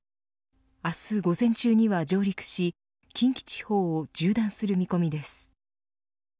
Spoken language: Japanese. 明日午前中には上陸し近畿地方を縦断する見込みです。